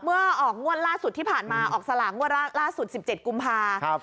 เมื่อออกงวดล่าสุดที่ผ่านมาออกสลากงวดล่าสุด๑๗กุมภา